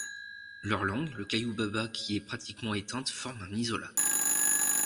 Leur langue, le cayubaba qui est pratiquement éteinte forme un isolat.